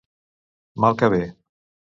Mal que bé.